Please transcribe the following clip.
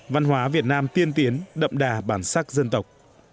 văn hóa việt nam tiên tiến đậm đà bản sắc dân tộc